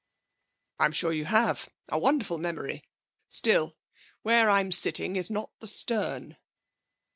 'I'm sure you have a wonderful memory still, where I'm sitting is not the stern.'